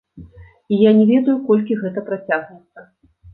І я не ведаю, колькі гэта працягнецца.